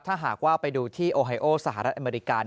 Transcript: ถ้าหากว่าไปดูที่โอไฮโอสหรัฐอเมริกา